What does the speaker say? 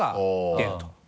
出ると。